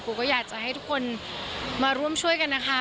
ก็อยากจะให้ทุกคนมาร่วมช่วยกันนะคะ